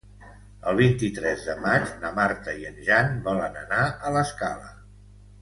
El vint-i-tres de maig na Marta i en Jan volen anar a l'Escala.